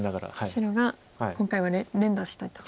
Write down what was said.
白が今回は連打してと。